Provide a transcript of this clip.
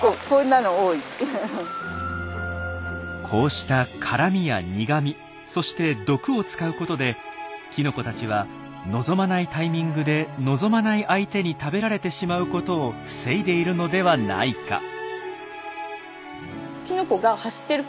こうした辛みや苦みそして毒を使うことできのこたちは望まないタイミングで望まない相手に食べられてしまうことを防いでいるのではないか？